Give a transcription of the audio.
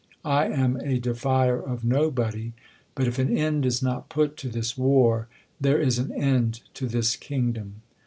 I am a defier of nobody ; but if an end is not put to this war, there is an end to t this kingdom.